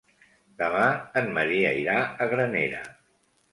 Demà en Maria irà a Granera.